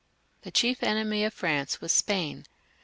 The chief enemy of France was Spain.